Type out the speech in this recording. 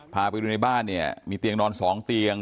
พาไปดูในบ้านเนี่ยมีเตียงนอน๒เตียง